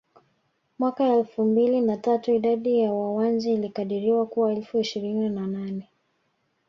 Mwaka elfu mbili na tatu idadi ya Wawanji ilikadiriwa kuwa elfu ishirini na nane